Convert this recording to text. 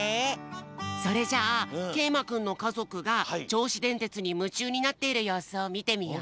それじゃあけいまくんのかぞくがちょうしでんてつにむちゅうになっているようすをみてみよう。